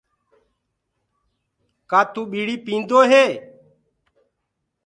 ڪآ تو ٻيڙي پيندو هي؟